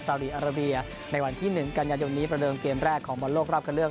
สาวดีอาราเบียในวันที่๑กันยายนนี้ประเดิมเกมแรกของบอลโลกรอบคันเลือก